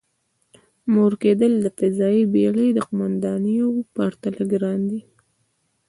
مور کېدل د فضايي بېړۍ د قوماندانېدو پرتله ګران دی.